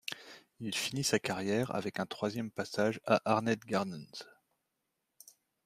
Il finit sa carrière avec un troisième passage à Arnett Gardens.